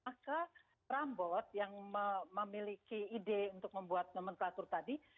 maka rambut yang memiliki ide untuk membuat nomenklatur tadi